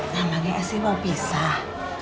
namanya esi mau pisah